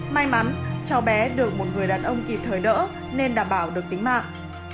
may mắn cháu bé được một người đàn ông kịp thời đỡ nên đảm bảo được tính mạng